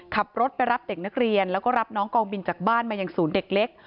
ขับรถไปรับเด็กนักเรียนแล้วก็รับน้องกองบินจากบ้านมายังศูนย์เด็กเล็ก